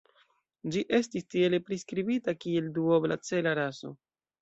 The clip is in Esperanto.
Ĝi estis tiele priskribita kiel duobla-cela raso.